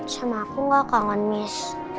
sama aku gak kangen miss